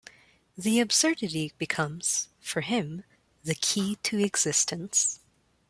The absurdity becomes, for him, the key to existence.